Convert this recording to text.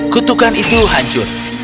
kutukan itu hancur